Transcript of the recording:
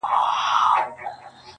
له سدیو دا یوه خبره کېږي؛